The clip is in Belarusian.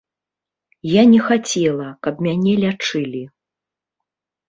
Я не хацела, каб мяне лячылі.